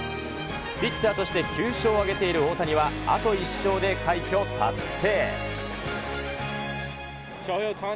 ピッチャーとして９勝を挙げている大谷は、あと１勝で快挙達成。